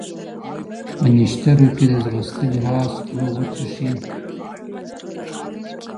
په نښترو کې د ځغستلي اس خوله وڅښي